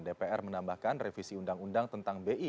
dpr menambahkan revisi undang undang tentang bi